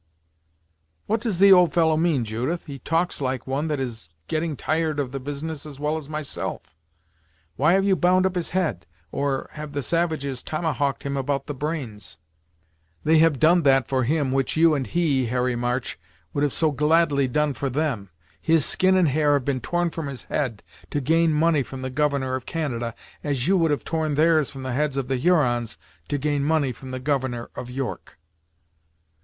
"What does the old fellow mean, Judith? He talks like one that is getting tired of the business as well as myself. Why have you bound up his head? or, have the savages tomahawked him about the brains?" "They have done that for him which you and he, Harry March, would have so gladly done for them. His skin and hair have been torn from his head to gain money from the governor of Canada, as you would have torn theirs from the heads of the Hurons, to gain money from the Governor of York."